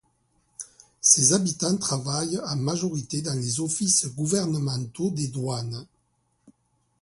Ses habitants travaillent en majorité dans les offices gouvernementaux des douanes.